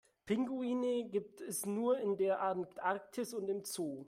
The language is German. Pinguine gibt es nur in der Antarktis und im Zoo.